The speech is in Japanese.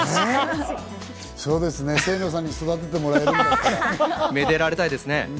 そうですね、清野さんに育ててもらえるんだったら。めでられたいですね。